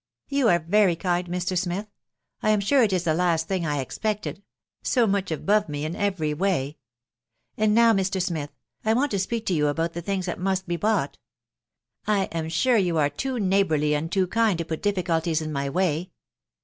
" You are very kind, Mr. Smith ; I am sure it is the last thing I expected .... so much above me in every way .... And now, Mr. Smith, I want to speak to you about the things that must be bought. I am sure you are too neighbourly and too kind to put difficulties in my way.